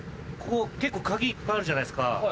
ここ結構鍵いっぱいあるじゃないですか。